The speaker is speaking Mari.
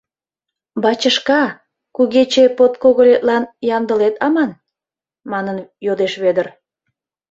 — Бачышка, кугече подкогылетлан ямдылет аман? — манын йодеш Вӧдыр.